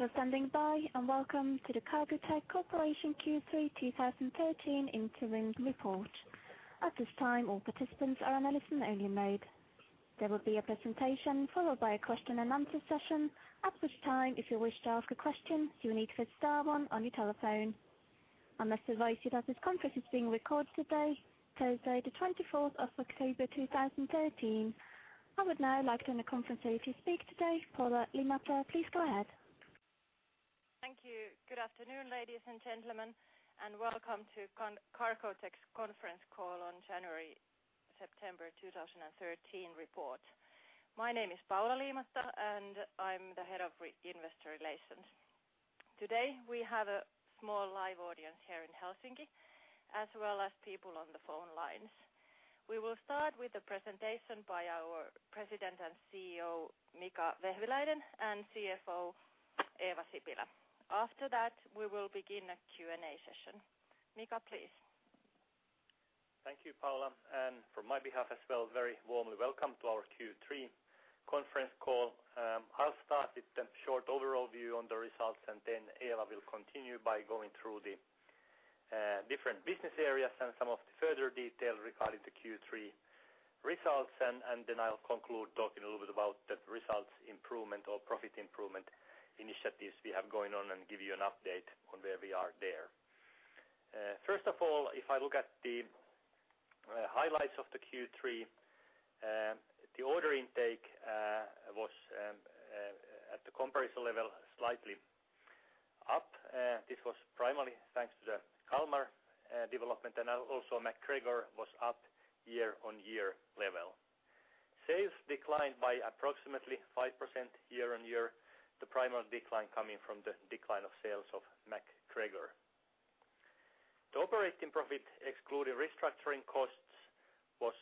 Thank you for standing by, and welcome to the Cargotec Corporation Q3 2013 interim report. At this time, all participants are on a listen-only mode. There will be a presentation followed by a question-and-answer session. At which time, if you wish to ask a question, you will need to hit star one on your telephone. I must advise you that this conference is being recorded today, Thursday, the 24th of October 2013. I would now like to turn the conference over to speaker today, Paula Liimatta. Please go ahead. Thank you. Good afternoon, ladies and gentlemen, and welcome to Cargotec's conference call on September 2013 report. My name is Paula Liimatta, and I'm the Head of Investor Relations. Today, we have a small live audience here in Helsinki, as well as people on the phone lines. We will start with a presentation by our President and CEO, Mika Vehviläinen, and CFO, Eeva Sipilä. After that, we will begin a Q&A session. Mika, please. Thank you, Paula, and from my behalf as well, very warmly welcome to our Q3 conference call. I'll start with the short overall view on the results, then Eeva will continue by going through the different business areas and some of the further detail regarding the Q3 results. Then I'll conclude talking a little bit about the results improvement or profit improvement initiatives we have going on and give you an update on where we are there. First of all, if I look at the highlights of the Q3, the order intake was at the comparison level, slightly up. This was primarily thanks to the Kalmar development, and now also MacGregor was up year-on-year level. Sales declined by approximately 5% year-on-year, the primary decline coming from the decline of sales of MacGregor. The operating profit, excluding restructuring costs, was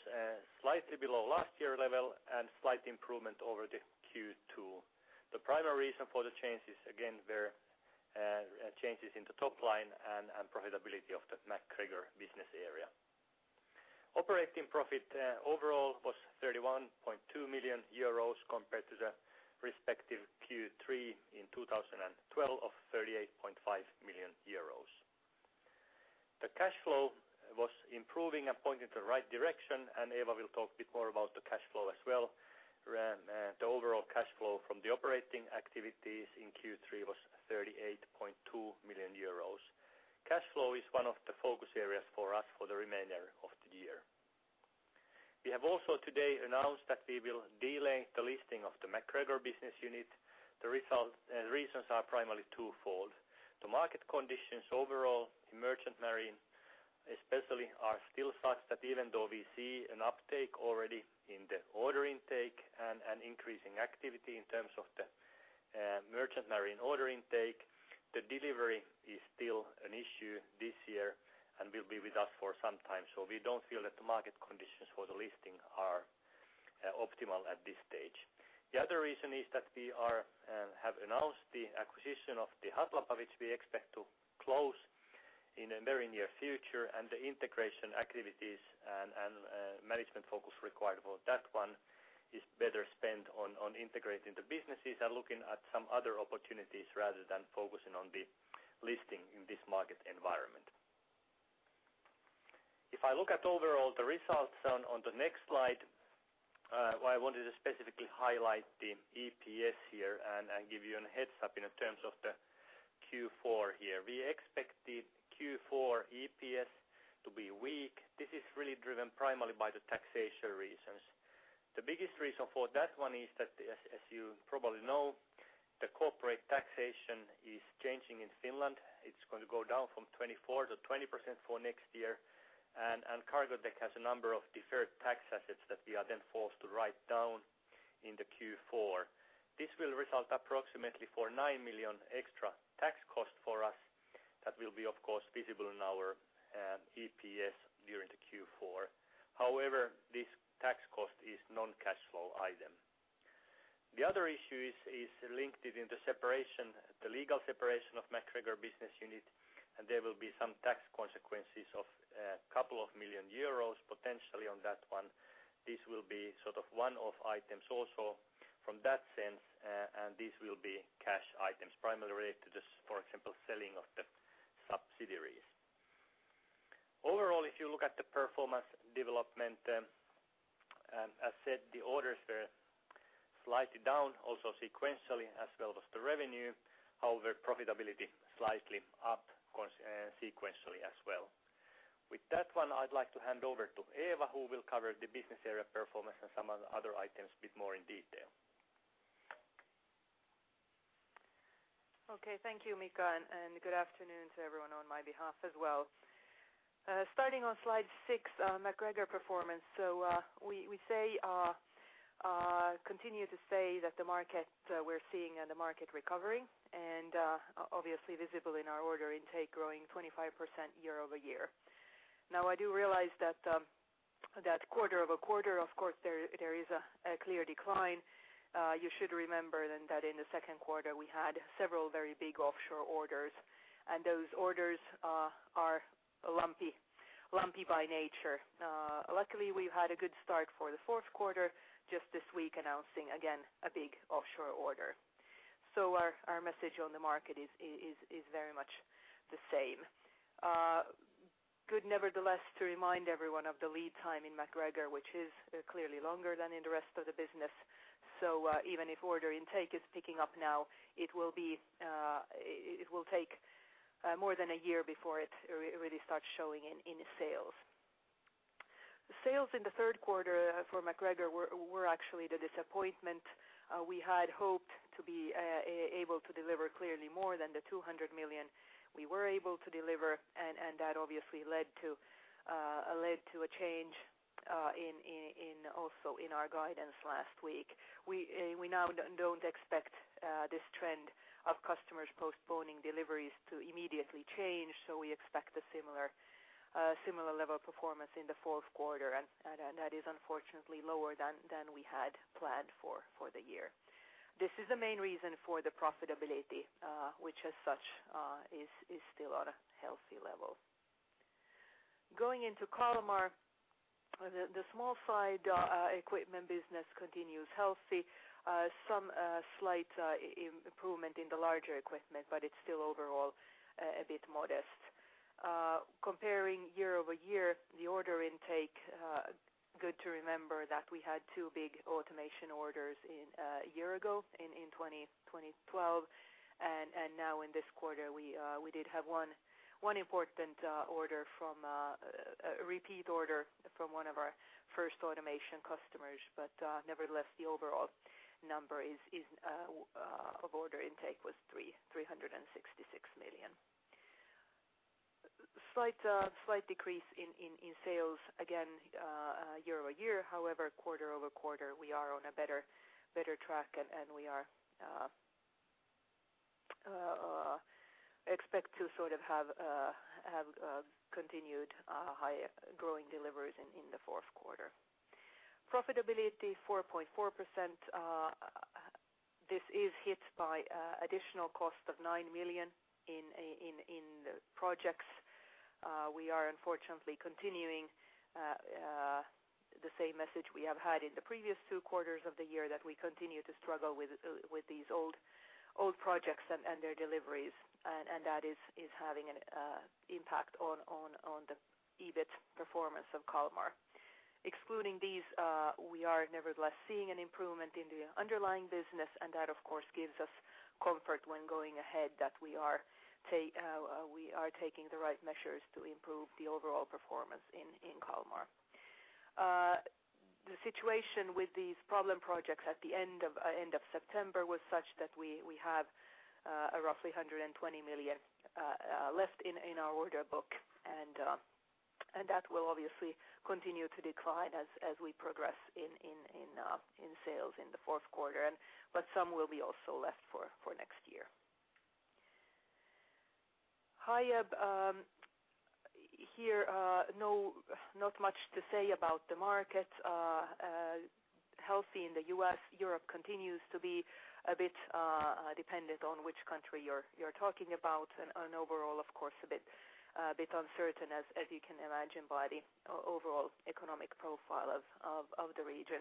slightly below last year level and slight improvement over the Q2. The primary reason for the changes again were changes in the top line and profitability of the MacGregor business area. Operating profit overall was 31.2 million euros compared to the respective Q3 in 2012 of 38.5 million euros. The cash flow was improving and pointing the right direction. Eeva will talk a bit more about the cash flow as well. The overall cash flow from the operating activities in Q3 was 38.2 million euros. Cash flow is one of the focus areas for us for the remainder of the year. We have also today announced that we will delist the listing of the MacGregor business unit. The reasons are primarily twofold. The market conditions overall in merchant marine especially are still such that even though we see an uptake already in the order intake and an increasing activity in terms of the merchant marine order intake, the delivery is still an issue this year and will be with us for some time. We don't feel that the market conditions for the listing are optimal at this stage. The other reason is that we have announced the acquisition of Hatlapa, which we expect to close in the very near future, and the integration activities and management focus required for that one is better spent on integrating the businesses and looking at some other opportunities rather than focusing on the listing in this market environment. If I look at overall the results on the next slide, I wanted to specifically highlight the EPS here and give you a heads-up in terms of the Q4 here. We expect the Q4 EPS to be weak. This is really driven primarily by the taxation reasons. The biggest reason for that one is that as you probably know, the corporate taxation is changing in Finland. It's going to go down from 24% to 20% for next year, and Cargotec has a number of deferred tax assets that we are then forced to write down in the Q4. This will result approximately for 9 million extra tax cost for us. That will be, of course, visible in our EPS during the Q4. However, this tax cost is non-cash flow item. The other issue is linked in the separation, the legal separation of MacGregor business unit. There will be some tax consequences of a couple of million euros potentially on that one. This will be sort of one of items also from that sense. These will be cash items primarily to just, for example, selling of the subsidiaries. Overall, if you look at the performance development, as said, the orders were slightly down, also sequentially, as well as the revenue. However, profitability slightly up sequentially as well. With that one, I'd like to hand over to Eeva, who will cover the business area performance and some of the other items a bit more in detail. Okay. Thank you, Mika, and good afternoon to everyone on my behalf as well. Starting on slide 6, MacGregor performance. We say, continue to say that the market we're seeing the market recovering and obviously visible in our order intake growing 25% year-over-year. I do realize that quarter-over-quarter, of course there is a clear decline. You should remember then that in the second quarter we had several very big Offshore orders, and those orders are lumpy by nature. Luckily, we had a good start for the fourth quarter, just this week announcing again a big Offshore order. Our message on the market is very much the same. Good nevertheless to remind everyone of the lead time in MacGregor, which is clearly longer than in the rest of the business. Even if order intake is picking up now, it will be, it will take more than a year before it really starts showing in sales. The sales in the third quarter for MacGregor were actually the disappointment. We had hoped to be able to deliver clearly more than 200 million we were able to deliver, and that obviously led to a change in also in our guidance last week. We now don't expect this trend of customers postponing deliveries to immediately change. We expect a similar level of performance in the fourth quarter and that is unfortunately lower than we had planned for the year. This is the main reason for the profitability, which as such, is still on a healthy level. Going into Kalmar, the small side equipment business continues healthy. Some slight improvement in the larger equipment. It's still overall a bit modest. Comparing year-over-year, the order intake, good to remember that we had two big automation orders a year ago in 2012. Now in this quarter we did have one important order from a repeat order from one of our first automation customers. Nevertheless, the overall number of order intake was 366 million. Slight decrease in sales again, year-over-year. However, quarter-over-quarter, we are on a better track and we expect to sort of have continued high growing deliveries in the fourth quarter. Profitability 4.4%. This is hit by additional cost of 9 million in projects. We are unfortunately continuing the same message we have had in the previous two quarters of the year that we continue to struggle with these old projects and their deliveries. That is having an impact on the EBIT performance of Kalmar. Excluding these, we are nevertheless seeing an improvement in the underlying business, and that of course gives us comfort when going ahead that we are taking the right measures to improve the overall performance in Kalmar. The situation with these problem projects at the end of September was such that we have roughly 120 million left in our order book. That will obviously continue to decline as we progress in sales in the fourth quarter. But some will be also left for next year. Hiab, here, no, not much to say about the market. Healthy in the US. Europe continues to be a bit dependent on which country you're talking about and overall, of course a bit uncertain as you can imagine by the overall economic profile of the region.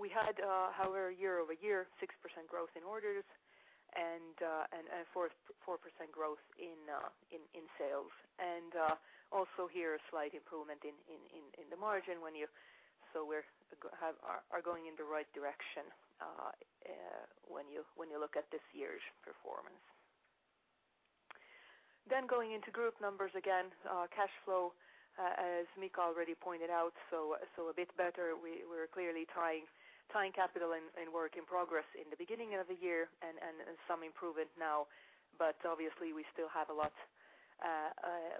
We had, however year-over-year 6% growth in orders and 4% growth in sales. Also here a slight improvement in the margin when you are going in the right direction when you look at this year's performance. Going into group numbers, again, cash flow, as Mika already pointed out, so a bit better. We are clearly tying capital and work in progress in the beginning of the year and some improvement now. Obviously we still have a lot,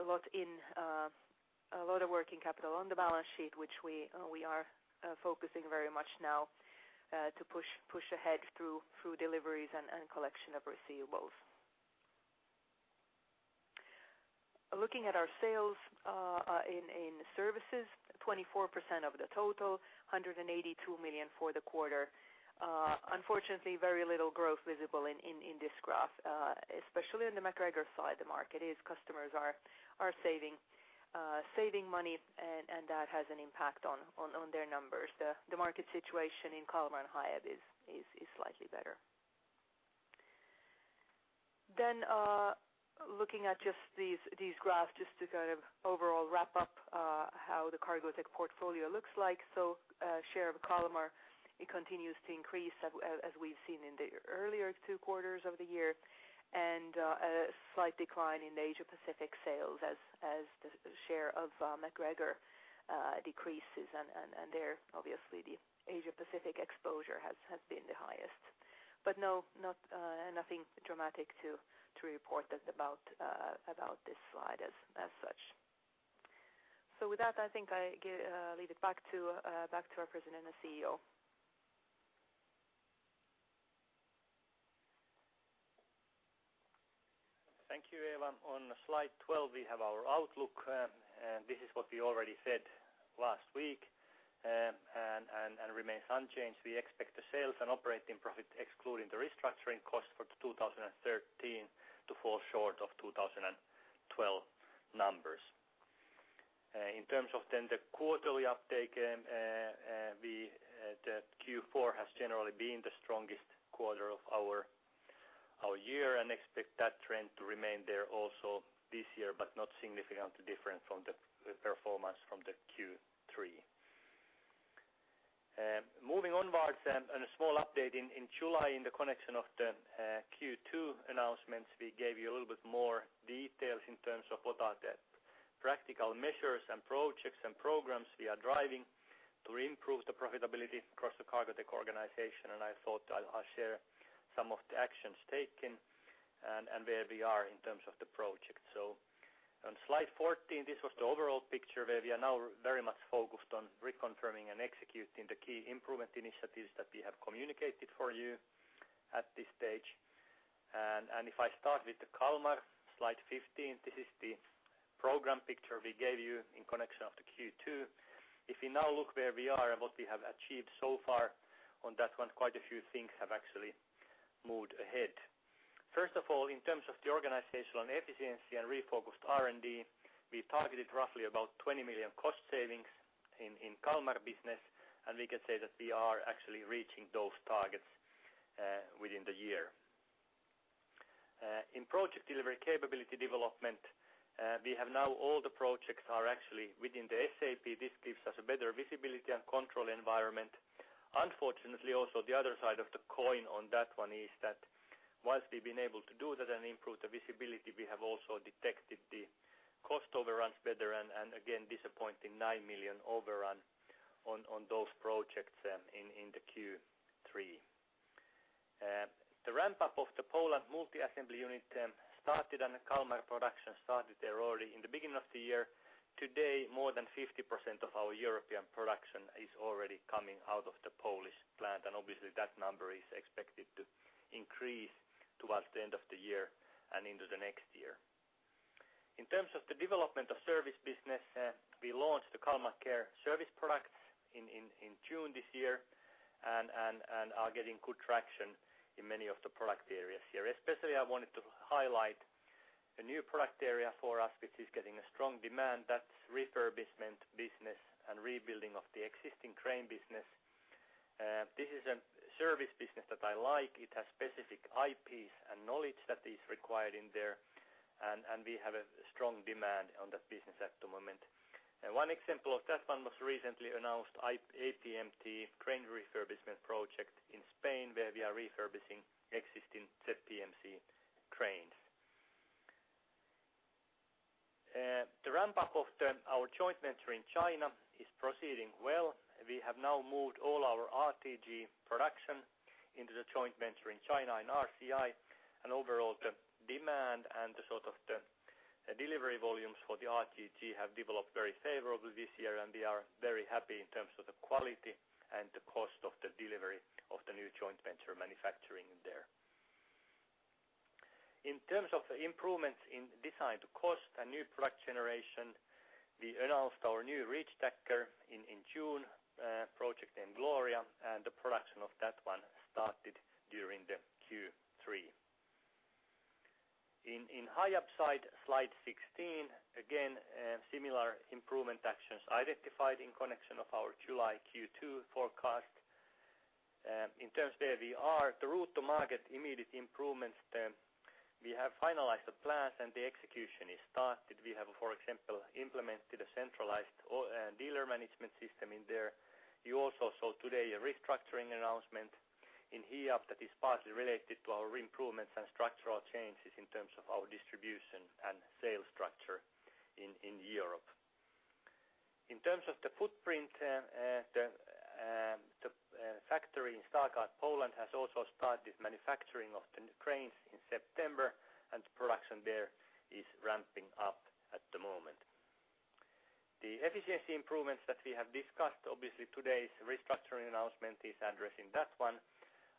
a lot in, a lot of working capital on the balance sheet, which we are focusing very much now to push ahead through deliveries and collection of receivables. Looking at our sales in services, 24% of the total, 182 million for the quarter. Unfortunately, very little growth visible in this graph, especially on the MacGregor side of the market, as customers are saving money and that has an impact on their numbers. The market situation in Kalmar and Hiab is slightly better. Looking at just these graphs just to kind of overall wrap up how the Cargotec portfolio looks like. Share of Kalmar, it continues to increase as we've seen in the earlier two quarters of the year and a slight decline in the Asia Pacific sales as the share of MacGregor decreases and there obviously the Asia Pacific exposure has been the highest. No, not nothing dramatic to report about this slide as such. With that, I think I leave it back to our President and CEO. Thank you, Eeva. On slide 12, we have our outlook, and this is what we already said last week. Remains unchanged. We expect the sales and operating profit excluding the restructuring costs for 2013 to fall short of 2012 numbers. In terms of then the quarterly uptake, we, the Q4 has generally been the strongest quarter of our year, and expect that trend to remain there also this year, but not significantly different from the performance from the Q3. Moving onwards and a small update. In July, in the connection of the Q2 announcements, we gave you a little bit more details in terms of what are the practical measures and projects and programs we are driving to improve the profitability across the Cargotec organization. I thought I'll share some of the actions taken and where we are in terms of the project. On slide 14, this was the overall picture where we are now very much focused on reconfirming and executing the key improvement initiatives that we have communicated for you at this stage. If I start with the Kalmar, slide 15, this is the program picture we gave you in connection of the Q2. If we now look where we are and what we have achieved so far on that one, quite a few things have actually moved ahead. First of all, in terms of the organizational and efficiency and refocused R&D, we targeted roughly about 20 million cost savings in Kalmar business, and we can say that we are actually reaching those targets within the year. In project delivery capability development, we have now all the projects are actually within the SAP. This gives us a better visibility and control environment. Unfortunately, also the other side of the coin on that one is that once we've been able to do that and improve the visibility, we have also detected the cost overruns better and again, disappointing 9 million overrun on those projects in the Q3. The ramp-up of the Poland multi-assembly unit started and the Kalmar production started there already in the beginning of the year. Today, more than 50% of our European production is already coming out of the Polish plant, obviously that number is expected to increase towards the end of the year and into the next year. In terms of the development of service business, we launched the Kalmar Care service products in June this year and are getting good traction in many of the product areas here. Especially, I wanted to highlight a new product area for us, which is getting a strong demand. That's refurbishment business and rebuilding of the existing crane business. This is a service business that I like. It has specific IPs and knowledge that is required in there, and we have a strong demand on that business at the moment. One example of that one was recently announced, APMT crane refurbishment project in Spain, where we are refurbishing existing ZPMC cranes. The ramp-up of our joint venture in China is proceeding well. We have now moved all our RTG production into the joint venture in China, in RCI. Overall, the demand and the sort of the delivery volumes for the RTG have developed very favorably this year, and we are very happy in terms of the quality and the cost of the delivery of the new joint venture manufacturing there. In terms of improvements in design to cost and new product generation, we announced our new reachstacker in June, project named Gloria, and the production of that one started during the Q3. In Hiab side, slide 16, again, similar improvement actions identified in connection of our July Q2 forecast. In terms where we are, the route to market immediate improvements, we have finalized the plans and the execution is started. We have, for example, implemented a centralized dealer management system in there. You also saw today a restructuring announcement in Hiab that is partly related to our improvements and structural changes in terms of our distribution and sales structure in Europe. In terms of the footprint, the factory in Stargard, Poland has also started manufacturing of the new cranes in September, and production there is ramping up at the moment. The efficiency improvements that we have discussed, obviously today's restructuring announcement is addressing that one.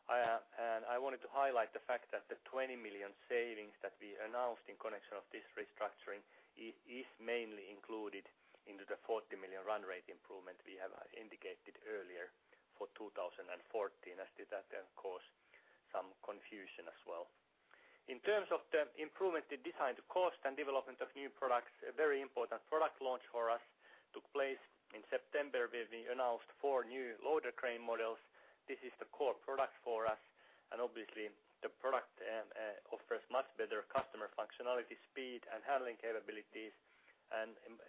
I wanted to highlight the fact that the 20 million savings that we announced in connection of this restructuring is mainly included into the 40 million run rate improvement we have indicated earlier for 2014, as did that then cause some confusion as well. In terms of the improvement in design to cost and development of new products, a very important product launch for us took place in September, where we announced four new loader crane models. Obviously the product offers much better customer functionality, speed, and handling capabilities.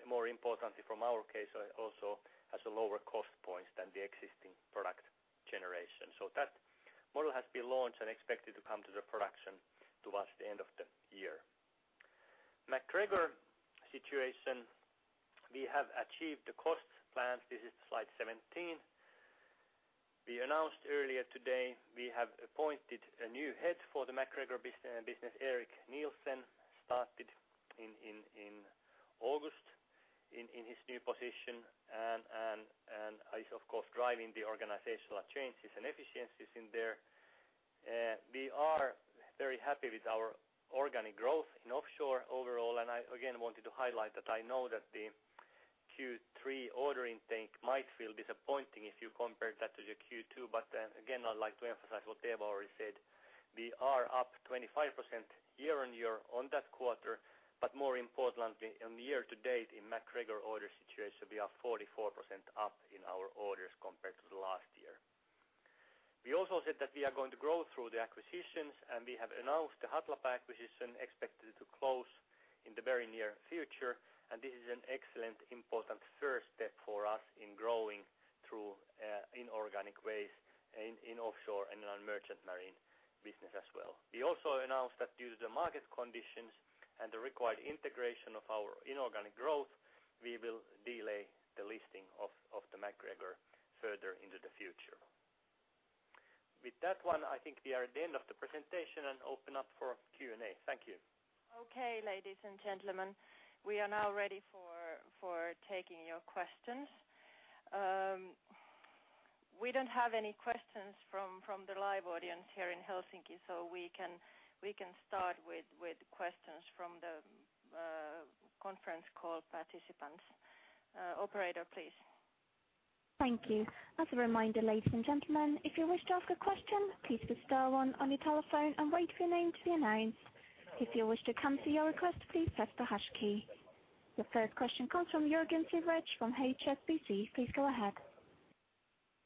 More importantly from our case, also has a lower cost points than the existing product generation. That model has been launched and expected to come to the production towards the end of the year. MacGregor situation, we have achieved the cost plans. This is slide 17. We announced earlier today we have appointed a new head for the MacGregor business. Eric Nielsen started in August in his new position and is of course driving the organizational changes and efficiencies in there. We are very happy with our organic growth in Offshore overall. I again wanted to highlight that I know that the Q3 ordering intake might feel disappointing if you compare that to your Q2. I'd like to emphasize what Eeva already said. We are up 25% year-on-year on that quarter, but more importantly on the year to date in MacGregor order situation, we are 44% up in our orders compared to the last year. We also said that we are going to grow through the acquisitions, and we have announced the Hatlapa acquisition expected to close in the very near future. This is an excellent, important first step for us in growing through inorganic ways in Offshore and on merchant marine business as well. We also announced that due to the market conditions and the required integration of our inorganic growth, we will delay the listing of the MacGregor further into the future. With that one, I think we are at the end of the presentation and open up for Q&A. Thank you. Okay, ladies and gentlemen, we are now ready for taking your questions. We don't have any questions from the live audience here in Helsinki. We can start with questions from the conference call participants. Operator, please. Thank you. As a reminder, ladies and gentlemen, if you wish to ask a question, please press star one on your telephone and wait for your name to be announced. If you wish to cancel your request, please press the hash key. The first question comes from Juergen Siebrecht from HSBC. Please go ahead.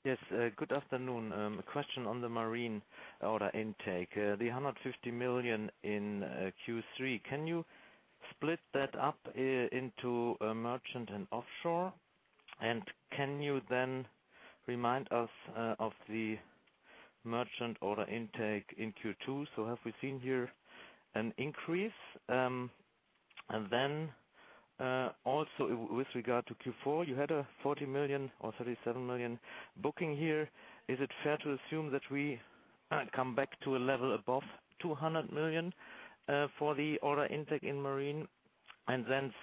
Yes, good afternoon. A question on the marine order intake, the 150 million in Q3. Can you split that up into merchant and Offshore? Can you then remind us of the merchant order intake in Q2? Have we seen here an increase? Also with regard to Q4, you had a 40 million or 37 million booking here. Is it fair to assume that we come back to a level above 200 million for the order intake in marine?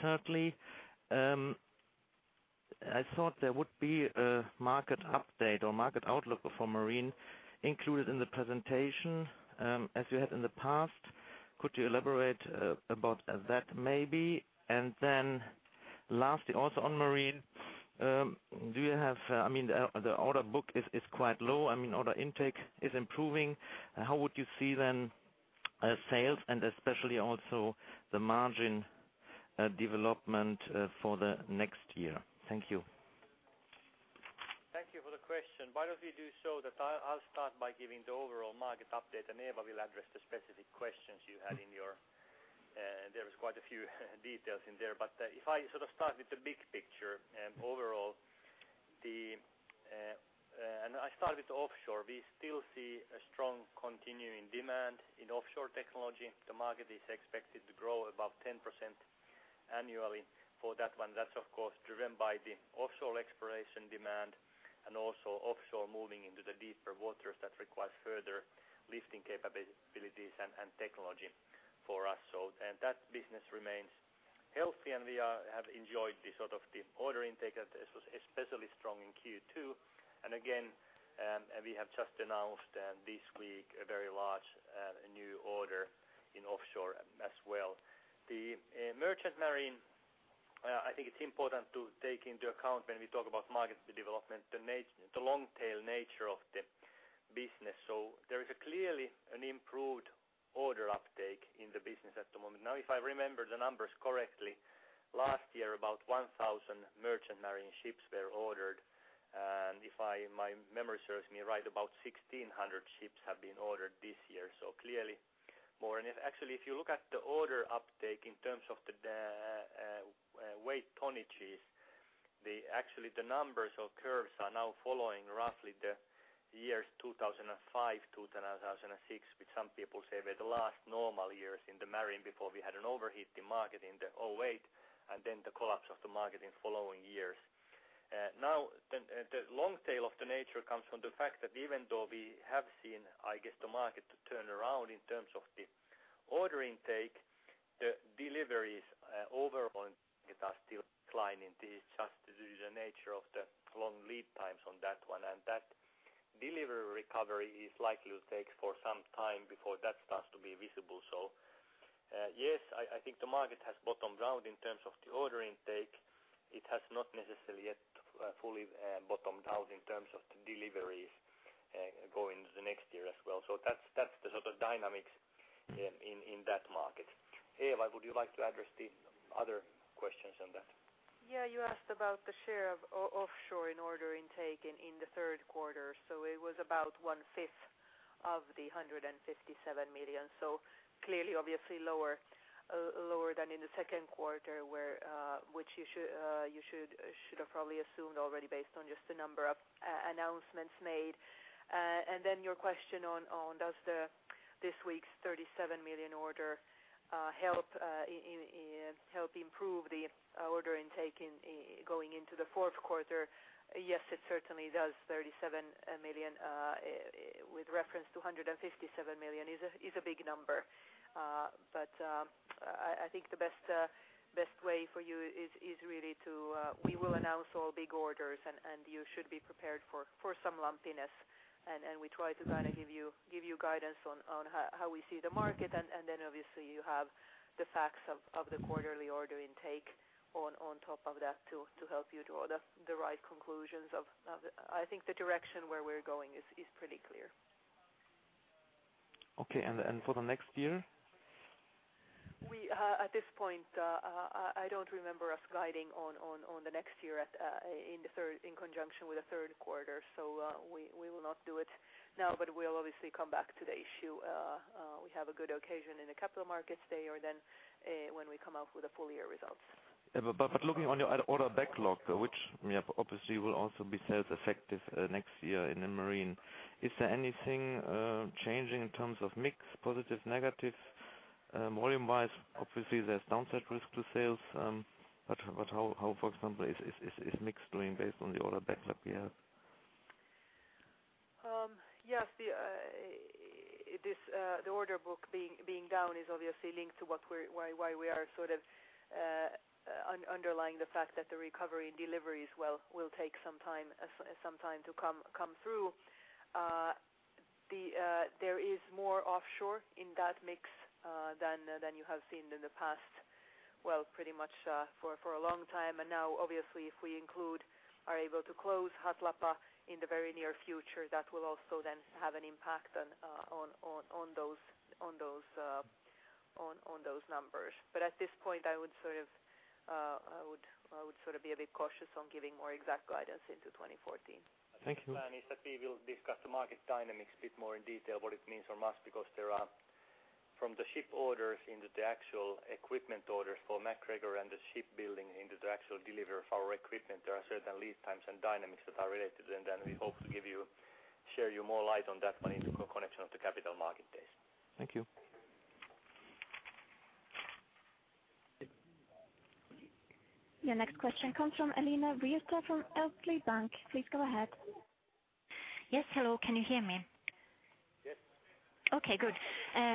Thirdly, I thought there would be a market update or market outlook for marine included in the presentation, as you had in the past. Could you elaborate about that maybe? Lastly, also on marine, do you have, I mean, the order book is quite low. I mean, order intake is improving. How would you see then sales and especially also the margin development for the next year? Thank you. Thank you for the question. Why don't we do so that I'll start by giving the overall market update. Eeva will address the specific questions you had in your, there was quite a few details in there. If I sort of start with the big picture, I start with Offshore. We still see a strong continuing demand in Offshore technology. The market is expected to grow above 10% annually for that one. That's of course driven by the Offshore exploration demand and also Offshore moving into the deeper waters that requires further lifting capabilities and technology for us. That business remains healthy, we have enjoyed the sort of the order intake. This was especially strong in Q2. Again, and we have just announced this week a very large new order in Offshore as well. The merchant marine, I think it's important to take into account when we talk about market development, the long tail nature of the business. There is a clearly an improved order uptake in the business at the moment. If I remember the numbers correctly, last year, about 1,000 merchant marine ships were ordered. If I, my memory serves me right, about 1,600 ships have been ordered this year, so clearly more. If actually, if you look at the order uptake in terms of the weight tonnages, the actually the numbers or curves are now following roughly the years 2005 to 2006, which some people say were the last normal years in the marine before we had an overheated market in 2008 and then the collapse of the market in following years. The long tail of the nature comes from the fact that even though we have seen, I guess, the market to turn around in terms of the order intake, the deliveries, overall are still declining. This is just the nature of the long lead times on that one, and that delivery recovery is likely to take for some time before that starts to be visible. Yes, I think the market has bottomed out in terms of the order intake. It has not necessarily yet fully bottomed out in terms of the deliveries going into the next year as well. That's the sort of dynamics in that market. Eeva, would you like to address the other questions on that? You asked about the share of Offshore in order intake in the third quarter. It was about one fifth of the 157 million. Clearly obviously lower than in the second quarter where, which you should have probably assumed already based on just the number of announcements made. Your question on does this week's 37 million order help improve the order intake in going into the fourth quarter? Yes, it certainly does. 37 million with reference to 157 million is a big number. I think the best way for you is really to, we will announce all big orders and you should be prepared for some lumpiness. We try to kind of give you guidance on how we see the market. Then obviously you have the facts of the quarterly order intake on top of that to help you draw the right conclusions of the. I think the direction where we're going is pretty clear. Okay. For the next year? We, at this point, I don't remember us guiding on the next year at, in the third, in conjunction with the third quarter. We will not do it now, but we'll obviously come back to the issue. We have a good occasion in the capital markets day or then, when we come out with the full year results. Looking on your order backlog, which obviously will also be sales effective next year in the marine. Is there anything changing in terms of mix, positive, negative? Volume-wise, obviously there's downside risk to sales, but how, for example, is mix doing based on the order backlog you have? Yes. The this the order book being down is obviously linked to why we are sort of underlying the fact that the recovery in deliveries will take some time, some time to come through. The there is more Offshore in that mix than you have seen in the past, well, pretty much for a long time. Now obviously if we include, are able to close Hatlapa in the very near future, that will also then have an impact on those, on those, on those numbers. At this point, I would sort of I would sort of be a bit cautious on giving more exact guidance into 2014. Thank you. The plan is that we will discuss the market dynamics a bit more in detail, what it means for us, because there are, from the ship orders into the actual equipment orders for MacGregor and the shipbuilding into the actual delivery of our equipment, there are certain lead times and dynamics that are related. We hope to give you, share you more light on that one in the connection of the capital market days. Thank you. Your next question comes from Elina Riutta from Evli Bank. Please go ahead. Yes. Hello, can you hear me? Yes. Okay, good.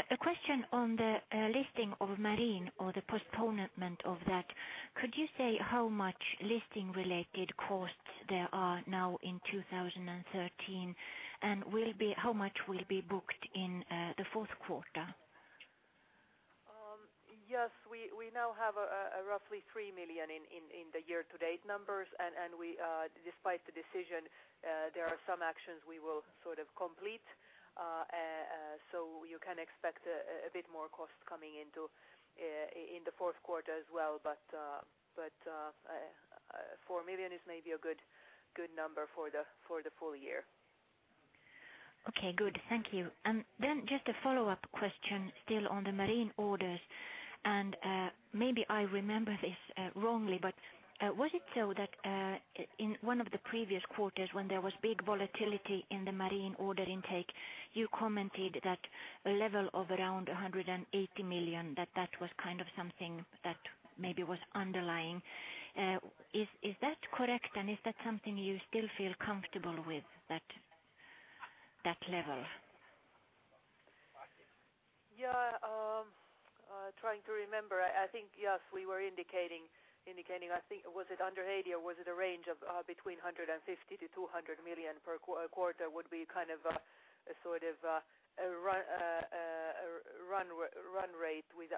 A question on the listing of marine or the postponement of that. Could you say how much listing related costs there are now in 2013? How much will be booked in the fourth quarter? Yes. We now have a roughly 3 million in the year to date numbers. We, despite the decision, there are some actions we will sort of complete. You can expect a bit more cost coming into in the fourth quarter as well. Four million is maybe a good number for the full year. Okay, good. Thank you. Then just a follow-up question still on the marine orders. Maybe I remember this wrongly, but was it so that in one of the previous quarters when there was big volatility in the marine order intake, you commented that a level of around 180 million, that that was kind of something that maybe was underlying. Is that correct? Is that something you still feel comfortable with, that level? Yeah. Trying to remember. I think, yes, we were indicating, I think, was it under Heidi or was it a range of between 150 million-200 million per quarter would be kind of a sort of a run rate with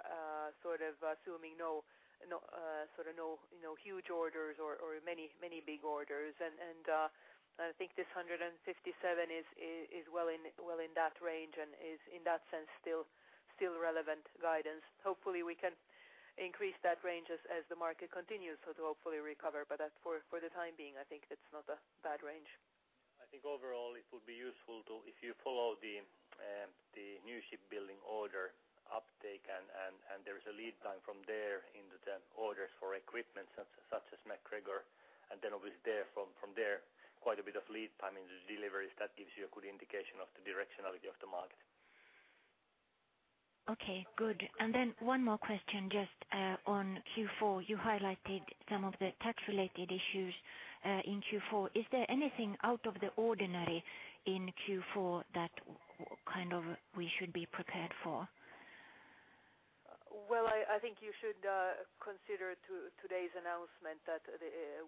sort of assuming no, sort of no, you know, huge orders or many, many big orders. I think this 157 million is well in that range and is in that sense still relevant guidance. Hopefully, we can increase that range as the market continues so to hopefully recover. For the time being, I think that's not a bad range. I think overall it would be useful to, if you follow the new shipbuilding order uptake and there is a lead time from there into the orders for equipment such as MacGregor, and then obviously there, from there, quite a bit of lead time into deliveries, that gives you a good indication of the directionality of the market. Okay, good. One more question just on Q4. You highlighted some of the tax related issues in Q4. Is there anything out of the ordinary in Q4 that kind of we should be prepared for? Well, I think you should consider today's announcement that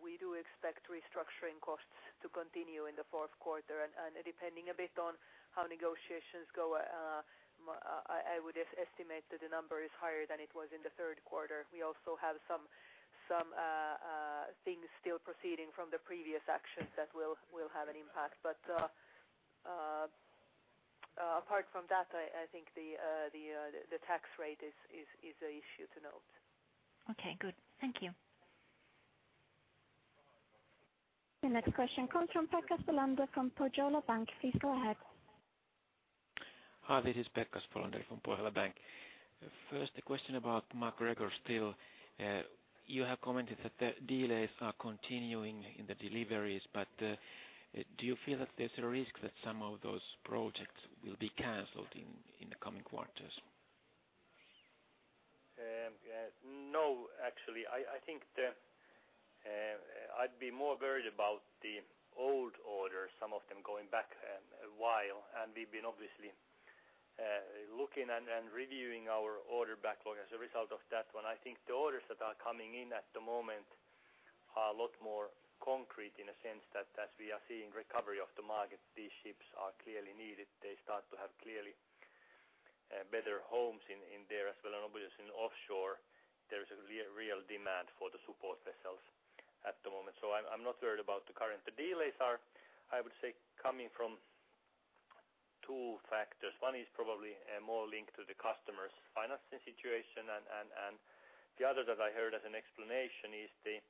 we do expect restructuring costs to continue in the fourth quarter. Depending a bit on how negotiations go, I would estimate that the number is higher than it was in the third quarter. We also have some things still proceeding from the previous actions that will have an impact. Apart from that, I think the tax rate is a issue to note. Okay, good. Thank you. The next question comes from Pekka Spolander from Pohjola Bank. Please go ahead. Hi, this is Pekka Spolander from Pohjola Bank. First, a question about MacGregor still. You have commented that the delays are continuing in the deliveries, but do you feel that there's a risk that some of those projects will be canceled in the coming quarters? No, actually, I think the, I'd be more worried about the old orders, some of them going back a while, and we've been obviously looking and reviewing our order backlog as a result of that one. I think the orders that are coming in at the moment are a lot more concrete in a sense that as we are seeing recovery of the market, these ships are clearly needed. They start to have clearly better homes in there as well, and obviously in Offshore, there is a real demand for the support vessels at the moment. I'm not worried about the current. The delays are, I would say, coming from two factors. One is probably more linked to the customers financing situation and the other that I heard as an explanation is the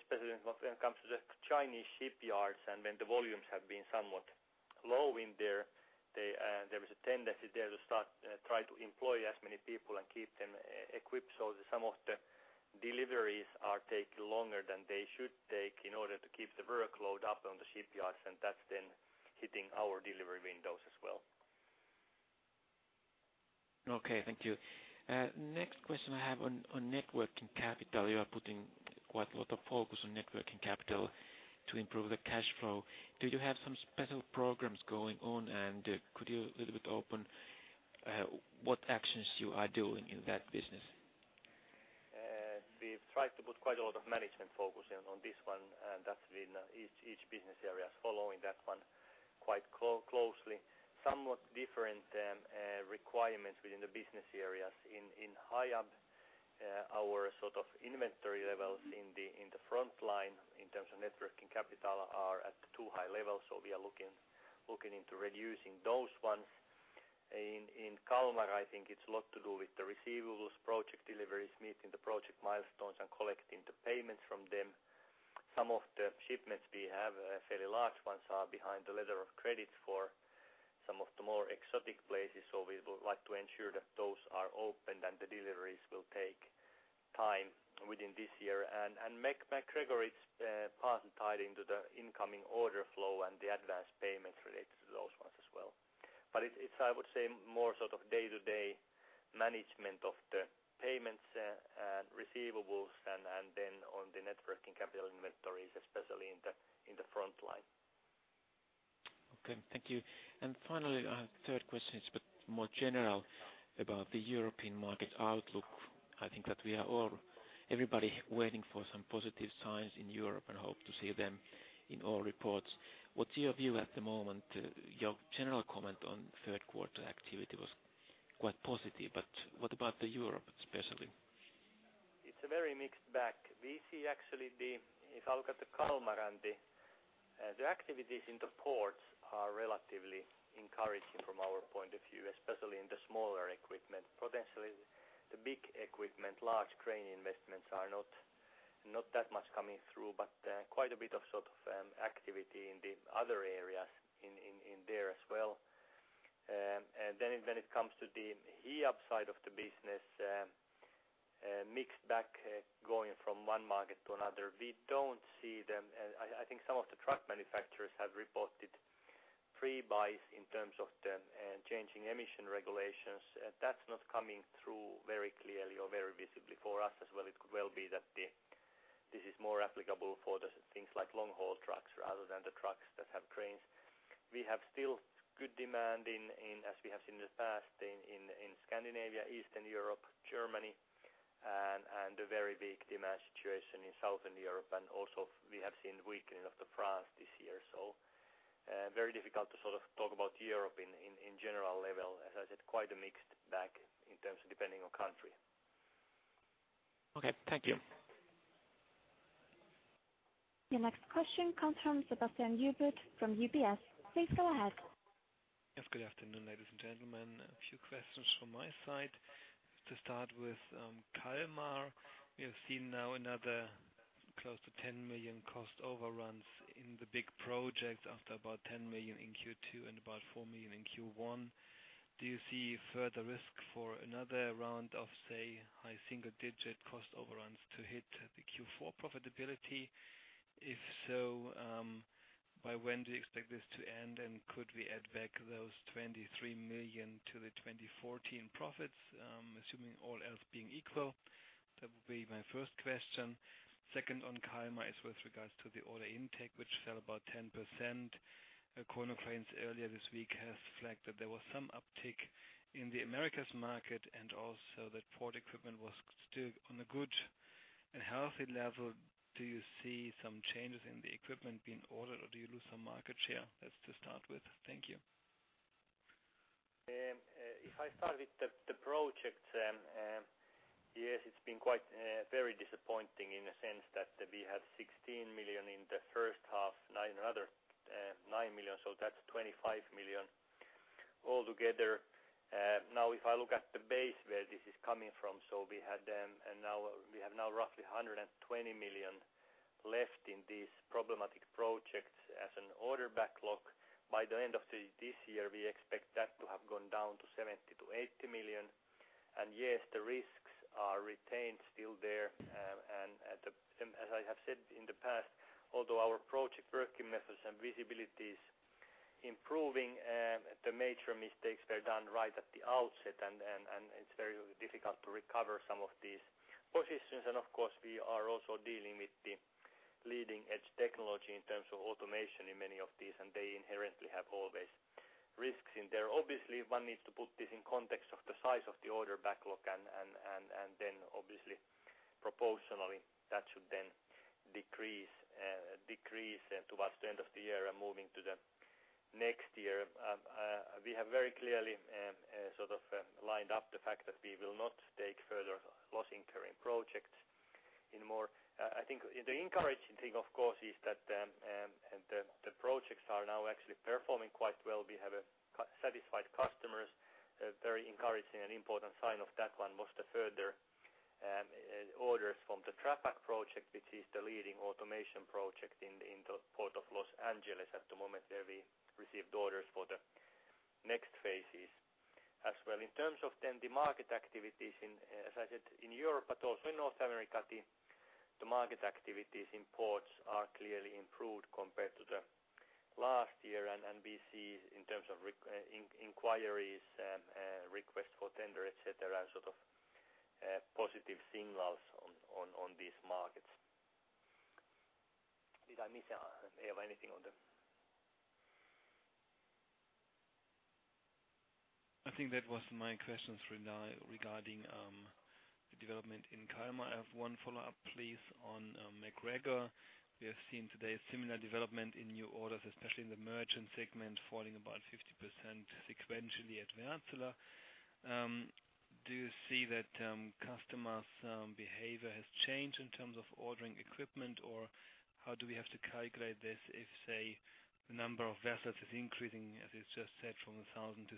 especially when it comes to the Chinese shipyards and when the volumes have been somewhat low in there, they, there is a tendency there to try to employ as many people and keep them equipped. Some of the deliveries are taking longer than they should take in order to keep the workload up on the shipyards, and that's then hitting our delivery windows as well. Okay, thank you. Next question I have on net working capital. You are putting quite a lot of focus on net working capital to improve the cash flow. Do you have some special programs going on, and could you a little bit open, what actions you are doing in that business? We've tried to put quite a lot of management focus in on this one, that's been, each business area is following that one quite closely. Somewhat different requirements within the business areas. In Hiab, our sort of inventory levels in the, in the front line in terms of net working capital are at too high levels, we are looking into reducing those ones. In Kalmar, I think it's a lot to do with the receivables, project deliveries, meeting the project milestones, and collecting the payments from them. Some of the shipments we have, fairly large ones, are behind the letter of credit for some of the more exotic places. We would like to ensure that those are opened and the deliveries will take time within this year. MacGregor, it's part and tied into the incoming order flow and the advanced payments related to those ones as well. It's, I would say, more sort of day-to-day management of the payments, receivables and then on the net working capital inventories, especially in the front line. Okay, thank you. Finally, I have third question, it's but more general about the European market outlook. I think that we are all, everybody waiting for some positive signs in Europe and hope to see them in our reports. What's your view at the moment? Your general comment on third quarter activity was quite positive, what about the Europe especially? It's a very mixed bag. We see actually, if I look at the Kalmar and the activities in the ports are relatively encouraging from our point of view, especially in the smaller equipment. Potentially, the big equipment, large crane investments are not that much coming through, but quite a bit of sort of activity in the other areas in there as well. When it comes to the Hiab side of the business, mixed bag going from one market to another. We don't see them, I think some of the truck manufacturers have reported pre-buys in terms of the changing emission regulations. That's not coming through very clearly or very visibly for us as well. It could well be that this is more applicable for the things like long-haul trucks rather than the trucks that have cranes. We have still good demand in, as we have seen in the past in Scandinavia, Eastern Europe, Germany, and a very big demand situation in Southern Europe, and also we have seen weakening of the France this year. Very difficult to sort of talk about Europe in general level. As I said, quite a mixed bag in terms of depending on country. Okay. Thank you. Your next question comes from Sebastian Ubert from UBS. Please go ahead. Yes. Good afternoon, ladies and gentlemen. A few questions from my side. To start with, Kalmar, we have seen now another close to 10 million cost overruns in the big projects after about 10 million in Q2 and about 4 million in Q1. Do you see further risk for another round of, say, high single digit cost overruns to hit the Q4 profitability? If so, by when do you expect this to end, and could we add back those 23 million to the 2014 profits, assuming all else being equal? That would be my first question. Second on Kalmar is with regards to the order intake, which fell about 10%. Konecranes earlier this week has flagged that there was some uptick in the Americas market and also that port equipment was still on a good and healthy level. Do you see some changes in the equipment being ordered, or do you lose some market share? That's to start with. Thank you. If I start with the project, yes, it's been quite very disappointing in a sense that we had 16 million in the first half, another 9 million, so that's 25 million altogether. Now, if I look at the base where this is coming from, we have now roughly 120 million left in these problematic projects as an order backlog. By the end of this year, we expect that to have gone down to 70 million-80 million. Yes, the risks are retained still there. As I have said in the past, although our project working methods and visibility is improving, the major mistakes were done right at the outset and it's very difficult to recover some of these positions. Of course, we are also dealing with the leading edge technology in terms of automation in many of these, and they inherently have always risks in there. Obviously, one needs to put this in context of the size of the order backlog and then obviously proportionally that should then decrease towards the end of the year and moving to the next year. We have very clearly sort of lined up the fact that we will not take further loss incurring projects anymore. I think the encouraging thing of course is that the projects are now actually performing quite well. We have satisfied customers. Very encouraging and important sign of that one was the further orders from the TraPac project, which is the leading automation project in the Port of Los Angeles at the moment, where we received orders for the next phases as well. In terms of then the market activities in, as I said, in Europe, but also in North America, the market activities in ports are clearly improved compared to the last year. We see in terms of inquires, requests for tender, et cetera, sort of positive signals on these markets. Did I miss, Eeva, anything on the... I think that was my questions for now regarding the development in Kalmar. I have one follow-up please on MacGregor. We have seen today a similar development in new orders, especially in the merchant segment, falling about 50% sequentially at Wärtsilä. Do you see that customers behavior has changed in terms of ordering equipment? How do we have to calculate this if, say, the number of vessels is increasing, as you just said, from 1,000-1,600.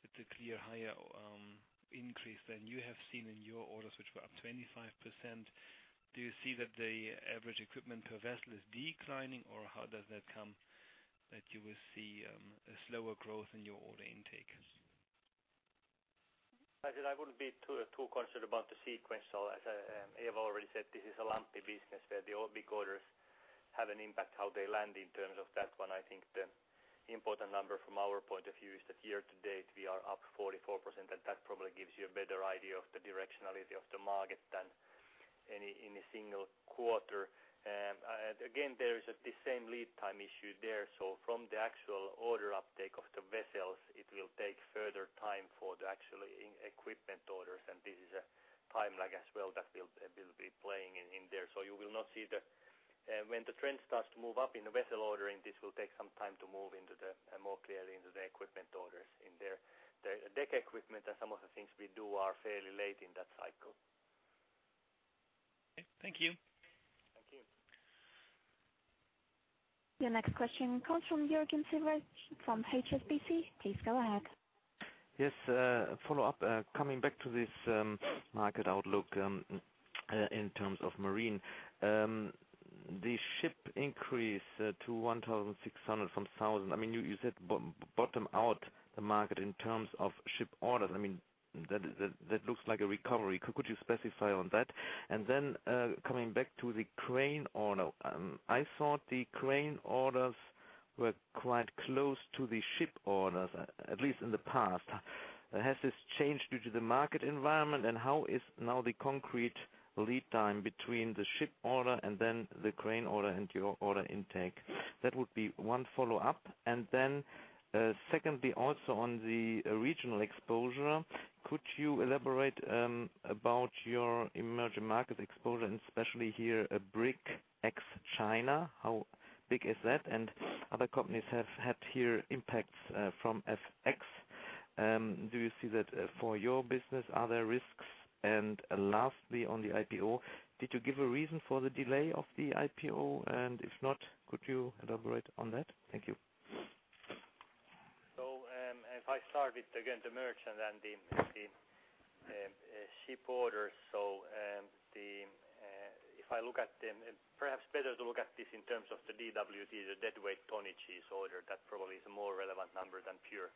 It's a clear higher increase than you have seen in your orders, which were up 25%. Do you see that the average equipment per vessel is declining, or how does that come that you will see a slower growth in your order intake? As said I wouldn't be too concerned about the sequence. As Eeva already said, this is a lumpy business where the odd big orders have an impact how they land in terms of that one. I think the important number from our point of view is that year to date we are up 44%, and that probably gives you a better idea of the directionality of the market than any single quarter. Again, there is the same lead time issue there. From the actual order uptake of the vessels, it will take further time for the actual equipment orders. This is a timeline as well that will be playing in there. You will not see the... When the trend starts to move up in the vessel ordering, this will take some time to move into the, more clearly into the equipment orders in there. The deck equipment and some of the things we do are fairly late in that cycle. Okay. Thank you. Thank you. Your next question comes from Juergen Siebrecht from HSBC. Please go ahead. Yes, a follow-up. Coming back to this market outlook, in terms of marine. The ship increase to 1,600 from 1,000. I mean, you said bottom out the market in terms of ship orders. I mean, that looks like a recovery. Could, could you specify on that? Coming back to the crane order. I thought the crane orders were quite close to the ship orders, at least in the past. Has this changed due to the market environment, and how is now the concrete lead time between the ship order and then the crane order into your order intake? That would be one follow-up. Secondly, also on the regional exposure, could you elaborate about your emerging market exposure and especially here, BRIC ex China? How big is that? Other companies have had here impacts from FX. Do you see that for your business, are there risks? Lastly, on the IPO, did you give a reason for the delay of the IPO? If not, could you elaborate on that? Thank you. If I start with again the merchant and the ship orders. If I look at them, perhaps better to look at this in terms of the DWT, the deadweight tonnage order. That probably is a more relevant number than pure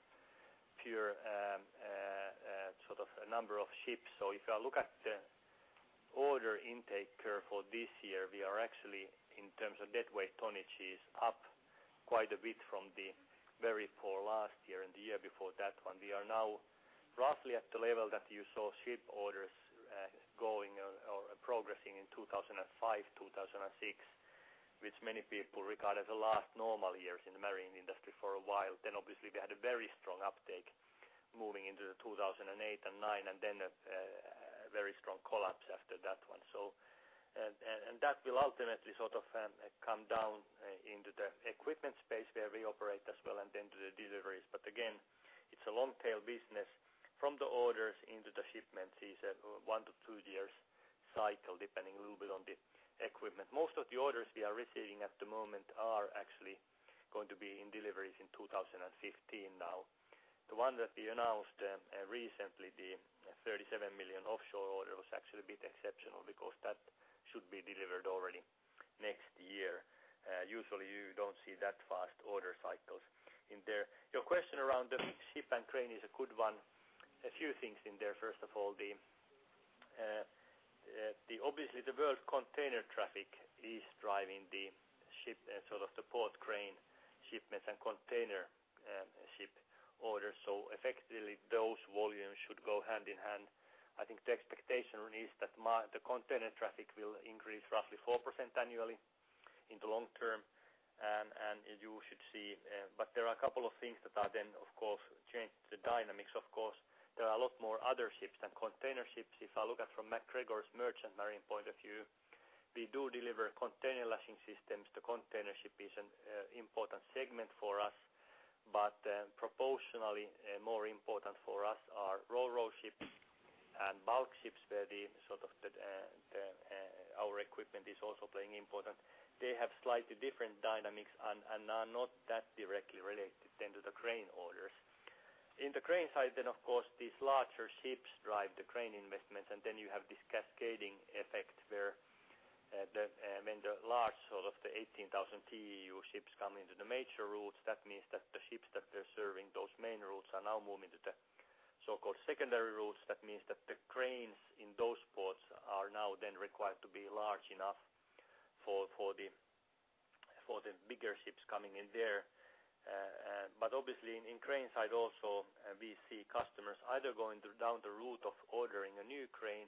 sort of a number of ships. If I look at the order intake here for this year, we are actually, in terms of deadweight tonnage, is up quite a bit from the very poor last year and the year before that one. We are now roughly at the level that you saw ship orders going or progressing in 2005, 2006, which many people regard as the last normal years in the marine industry for a while. Obviously we had a very strong uptake moving into 2008 and 2009 and then a very strong collapse after that one. And that will ultimately sort of come down into the equipment space where we operate as well and then to the deliveries. Again, it's a long tail business from the orders into the shipments is a 1-2 years cycle, depending a little bit on the equipment. Most of the orders we are receiving at the moment are actually going to be in deliveries in 2015 now. The one that we announced recently, the 37 million Offshore order, was actually a bit exceptional because that should be delivered already next year. Usually you don't see that fast order cycles in there. Your question around the ship and crane is a good one. A few things in there. First of all, the obviously the world container traffic is driving the ship, sort of the port crane shipments and container ship orders. Effectively, those volumes should go hand-in-hand. I think the expectation release that the container traffic will increase roughly 4% annually in the long term. You should see, but there are a couple of things that are then, of course, change the dynamics. There are a lot more other ships than container ships. If I look at from MacGregor's merchant marine point of view, we do deliver container lashing systems to container ship is an important segment for us. Proportionally, more important for us are ro-ro ships and bulk ships, where the sort of the our equipment is also playing important. They have slightly different dynamics and are not that directly related then to the crane orders. In the crane side then, of course, these larger ships drive the crane investments, and then you have this cascading effect where the when the large, sort of the 18,000 TEU ships come into the major routes, that means that the ships that they're serving, those main routes are now moving to the so-called secondary routes. That means that the cranes in those ports are now then required to be large enough for the, for the bigger ships coming in there. Obviously in crane side also, we see customers either going through down the route of ordering a new crane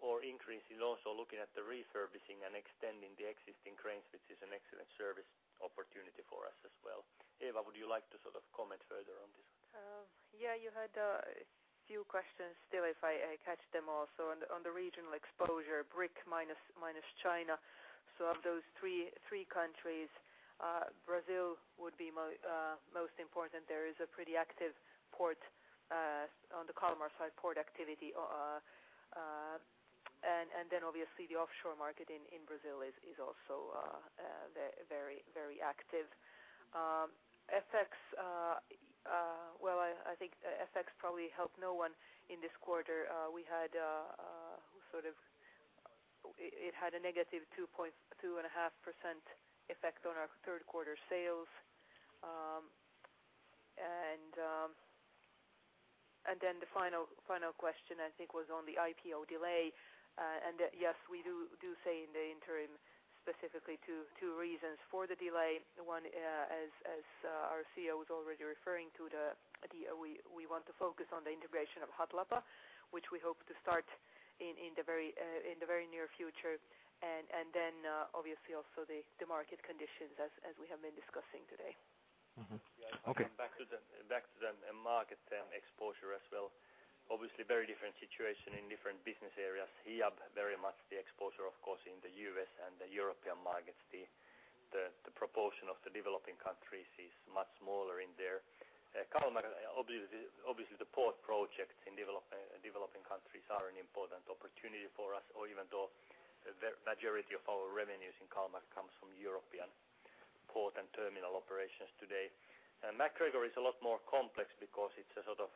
or increase is also looking at the refurbishing and extending the existing cranes, which is an excellent service opportunity for us as well. Eeva, would you like to sort of comment further on this? You had few questions still, if I catch them all. On the regional exposure, BRIC minus China, of those three countries, Brazil would be most important. There is a pretty active port on the Kalmar side port activity. Obviously the Offshore market in Brazil is also very active. Well, I think FX probably helped no one in this quarter. We had a negative 2.5% effect on our third quarter sales. The final question I think was on the IPO delay. Yes, we say in the interim, specifically two reasons for the delay. One, as our CEO was already referring to the idea we want to focus on the integration of Hatlapa, which we hope to start in the very near future. Obviously also the market conditions as we have been discussing today. Yeah. Okay. Back to the market exposure as well. Obviously very different situation in different business areas. Here very much the exposure of course in the U.S. and the European markets. The proportion of the developing countries is much smaller in there. Kalmar obviously the port projects in developing countries are an important opportunity for us, or even though the majority of our revenues in Kalmar comes from European port and terminal operations today. MacGregor is a lot more complex because it's a sort of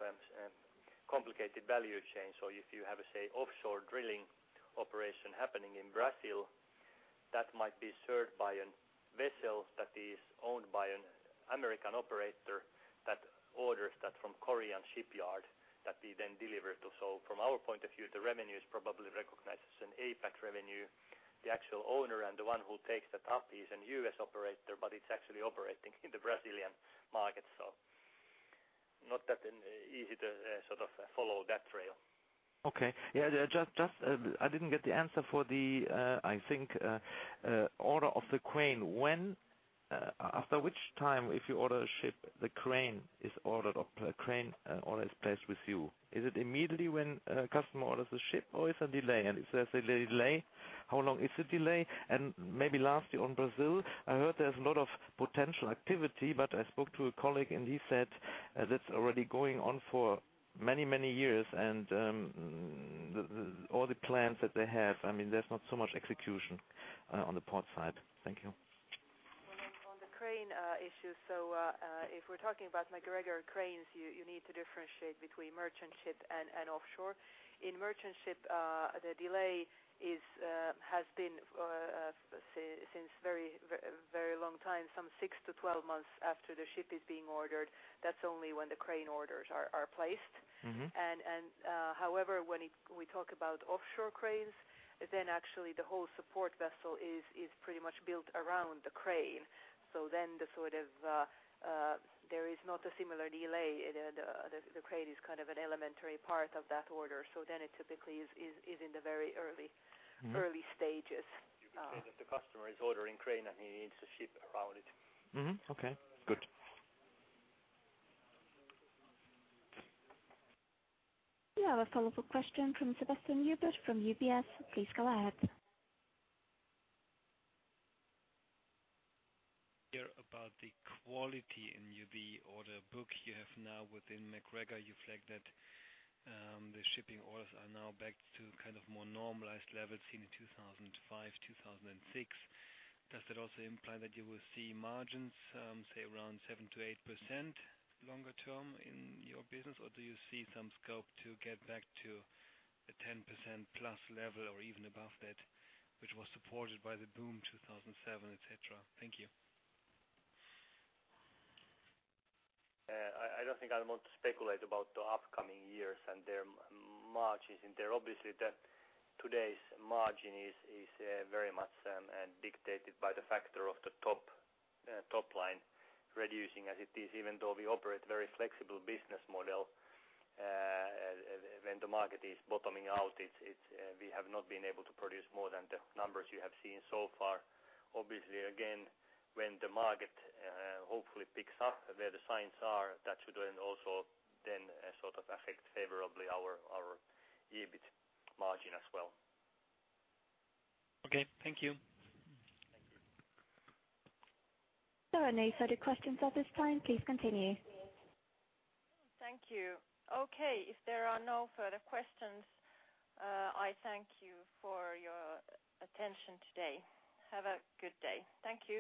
complicated value chain. If you have a, say, Offshore drilling operation happening in Brazil, that might be served by a vessel that is owned by an American operator that orders that from Korean shipyard that we then deliver to. From our point of view, the revenue is probably recognized as an APAC revenue. The actual owner and the one who takes that up is a U.S. operator, but it's actually operating in the Brazilian market. Not that easy to sort of follow that trail. Okay. Yeah. Just I didn't get the answer for the I think order of the crane. When after which time, if you order a ship, the crane is ordered or the crane order is placed with you? Is it immediately when a customer orders a ship or is a delay? If there's a delay, how long is the delay? Lastly, on Brazil, I heard there's a lot of potential activity, but I spoke to a colleague and he said that's already going on for many, many years. All the plans that they have, I mean, there's not so much execution on the port side. Thank you. On the, on the crane issue. If we're talking about MacGregor cranes, you need to differentiate between merchant ship and Offshore. In merchant ship, the delay is has been since very, very long time, some six-12 months after the ship is being ordered. That's only when the crane orders are placed. Mm-hmm. However, when we talk about Offshore cranes, then actually the whole support vessel is pretty much built around the crane. The sort of there is not a similar delay. The crane is kind of an elementary part of that order. It typically is in the very early- Mm-hmm. early stages. You can say that the customer is ordering crane and he needs a ship around it. Mm-hmm. Okay. Good. We have a follow-up question from Sebastian Ubert from UBS. Please go ahead. Hear about the quality in UBS order book you have now within MacGregor. You flag that the shipping orders are now back to kind of more normalized levels seen in 2005, 2006. Does that also imply that you will see margins, say around 7%-8% longer term in your business? Do you see some scope to get back to the 10%+ level or even above that, which was supported by the boom 2007, et cetera? Thank you. I don't think I want to speculate about the upcoming years and their margins in there. Obviously, today's margin is very much dictated by the factor of the top line reducing as it is. Even though we operate very flexible business model, when the market is bottoming out, we have not been able to produce more than the numbers you have seen so far. Obviously, again, when the market hopefully picks up where the signs are, that should then also then sort of affect favorably our EBIT margin as well. Okay. Thank you. Thank you. There are no further questions at this time. Please continue. Thank you. Okay, if there are no further questions, I thank you for your attention today. Have a good day. Thank you.